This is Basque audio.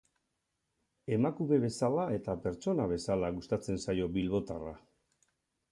Emakume bezala eta pertsona bezala gustatzen zaio bilbotarra.